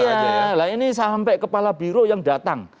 iya lah ini sampai kepala biro yang datang